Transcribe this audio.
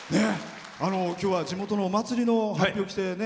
きょうは地元のお祭りのはっぴを着てね。